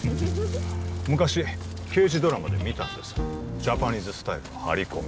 昔刑事ドラマで見たんですジャパニーズスタイルの張り込み